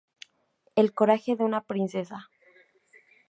El coraje de una princesa".